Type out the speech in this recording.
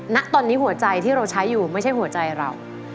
ณตอนนี้หัวใจที่เราใช้อยู่ไม่ใช่หัวใจเรา